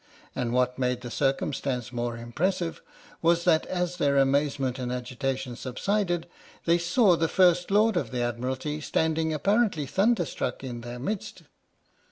And what made the circumstance more impressive was that as their amazement and agitation subsided, they saw the First Lord of the Admiralty standing, apparently thunder struck, in their midst!